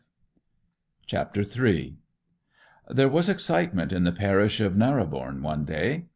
CHAPTER III There was excitement in the parish of Narrobourne one day.